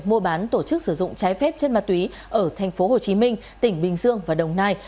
mua bán tổ chức sử dụng trái phép chất ma túy ở tp hcm tỉnh bình dương và đồng nai